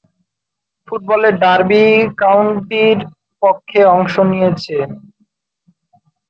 ফুটবলে ডার্বি কাউন্টির পক্ষে অংশ নিয়েছেন।